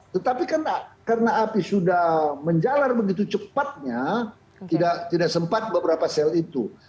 tetapi kan karena api sudah menjalar begitu cepatnya tidak sempat beberapa sel itu